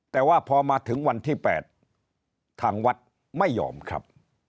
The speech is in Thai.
แต่ว่าพอมาถึงวันที่๘ทางวัดไม่ยอมครับ